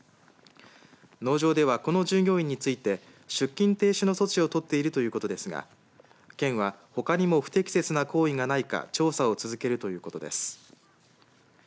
農場ではこの従業員について出勤停止の措置を取ってるということですが県はほかにも不適切な行為がないか調査を続けるということです。